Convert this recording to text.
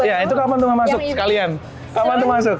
ya itu kapan rumah masuk sekalian kapan tuh masuk